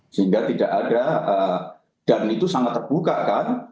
sehingga tidak ada dan itu sangat terbuka kan